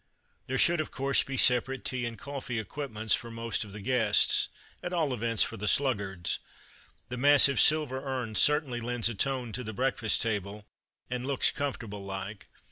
There should, of course, be separate tea and coffee equipments for most of the guests at all events for the sluggards. The massive silver urn certainly lends a tone to the breakfast table, and looks "comfortable like."